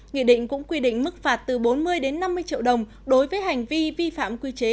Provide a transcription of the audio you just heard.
nghị định cũng quy định mức phạt từ bốn mươi đến năm mươi triệu đồng đối với hành vi vi phạm quy chế